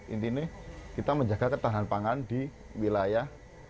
intinya kita menjaga ketahanan pangan di wilayah